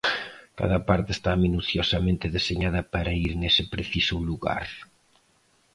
Cada parte está minuciosamente deseñada para ir nese preciso lugar.